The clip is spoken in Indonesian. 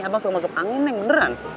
abang suka masuk angin neng beneran